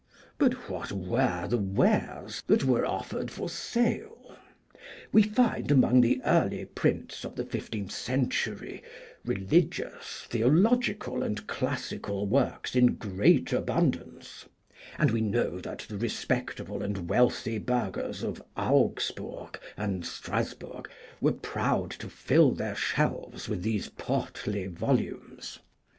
But what were the wares that were offered for sale? We find among the early prints of the fifteenth century religious, theological, and classical works in great abundance, and we know that the respectable and wealthy burghers of Augsburg and Strassburg were proud to fill their shelves with these portly volumes.